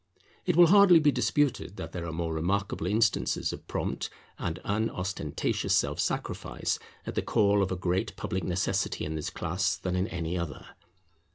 It will hardly be disputed that there are more remarkable instances of prompt and unostentatious self sacrifice at the call of a great public necessity in this class than in any other.